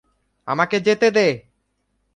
আমাকে যেতে দে!